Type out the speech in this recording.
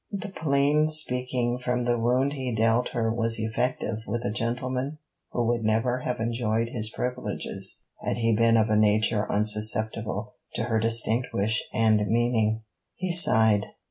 The plain speaking from the wound he dealt her was effective with a gentleman who would never have enjoyed his privileges had he been of a nature unsusceptible to her distinct wish and meaning. He sighed.